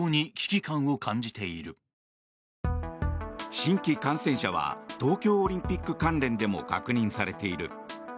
新規感染者は東京オリンピック関連でも確認されている。